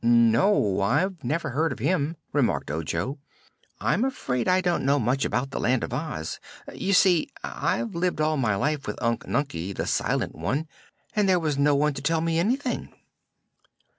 "No; I've never heard of him," remarked Ojo. "I'm afraid I don't know much about the Land of Oz. You see, I've lived all my life with Unc Nunkie, the Silent One, and there was no one to tell me anything."